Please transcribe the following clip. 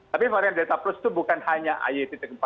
tapi varian delta plus itu bukan hanya ay empat